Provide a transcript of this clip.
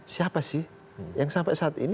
siapa sih yang sampai saat ini